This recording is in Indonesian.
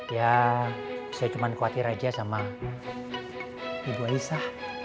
ya saya cuma khawatir aja sama ibu alisa